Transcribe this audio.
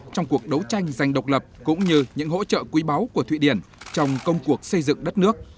trong cuộc đấu tranh giành độc lập cũng như những hỗ trợ quý báu của thụy điển trong công cuộc xây dựng đất nước